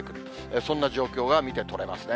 そんな状況が見て取れますね。